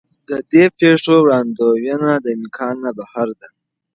د دې پېښو وړاندوینه د امکان نه بهر ده.